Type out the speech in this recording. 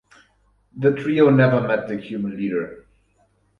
The trio never met the Cuban leader.